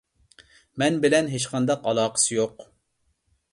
مەن بىلەن ھېچقانداق ئالاقىسى يوق.